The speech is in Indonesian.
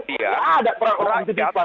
tidak ada perang perang titipan